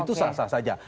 itu sah sah saja